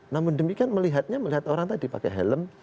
namun demikian melihatnya melihat orang tadi pakai helm